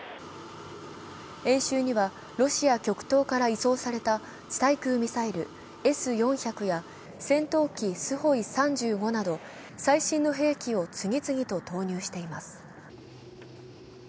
演習にはロシア極東から移送された地対空ミサイルＳ４００や戦闘機スホイ３５など、最新の兵器を次々と投入しています。